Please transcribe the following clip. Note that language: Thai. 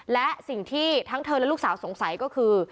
และสิ่งที่ทั้งเธอและลูกสาวสงสัยก็คือ